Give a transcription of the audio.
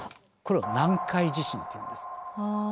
これを南海地震っていうんです。